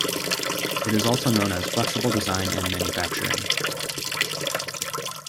It is also known as "flexible design and manufacturing".